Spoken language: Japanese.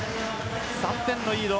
３点のリード。